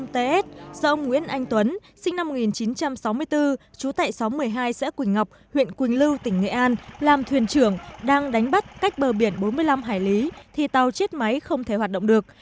chín mươi năm nghìn bốn trăm chín mươi ts do ông nguyễn anh tuấn sinh năm một nghìn chín trăm sáu mươi bốn chú tại xóm một mươi hai xã quỳnh ngọc huyện quỳnh lưu tỉnh nghệ an làm thuyền trưởng đang đánh bắt cách bờ biển bốn mươi năm hải lý thì tàu chết máy không thể hoạt động được